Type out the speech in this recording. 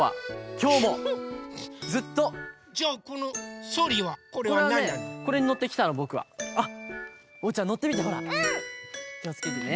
きをつけてね！